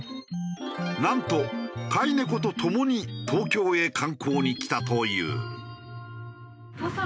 なんと飼い猫とともに東京へ観光に来たという。